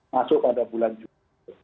masuk pada bulan juli